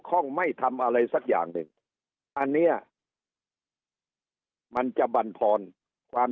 ห้องไม่ทำอะไรสักอย่างหนึ่งอันเนี้ยมันจะบรรพรความ